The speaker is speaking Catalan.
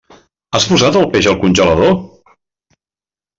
Has posat el peix al congelador?